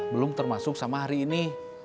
belum termasuk sama hari ini